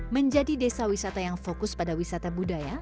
menjadi desa wisata yang fokus pada wisata budaya